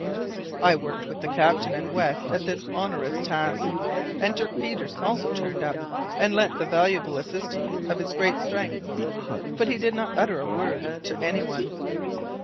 I worked with the captain and West at this onerous task, and Dirk Peters also turned up and lent the valuable assistance of his great strength, but he did not utter a word to anyone.